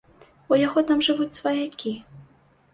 У яго там жывуць сваякі.